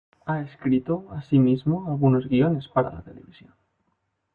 Ha escrito asimismo algunos guiones para la televisión.